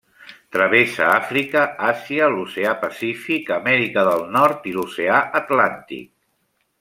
Travessa Àfrica, Àsia, l'Oceà Pacífic, Amèrica del Nord i l'Oceà Atlàntic.